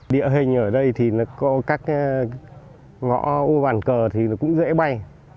địa hình ở đây thì có các ngõ ô bàn cờ thì cũng dễ bay